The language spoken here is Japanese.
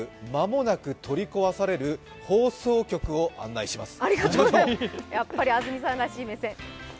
今日の社会科見学、間もなく取り壊される放送局を案内します。